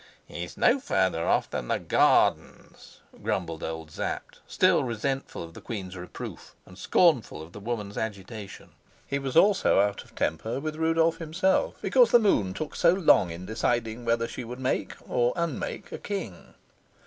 "He's no farther off than the gardens," grumbled old Sapt, still resentful of the queen's reproof and scornful of the woman's agitation. He was also out of temper with Rudolf himself, because the moon took so long in deciding whether she would make or unmake a king.